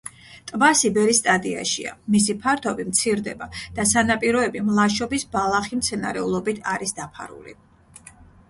ტბა სიბერის სტადიაშია; მისი ფართობი მცირდება და სანაპიროები მლაშობის ბალახი მცენარეულობით არის დაფარული.